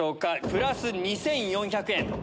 プラス２４００円。